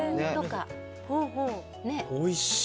おいしい。